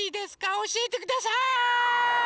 おしえてください！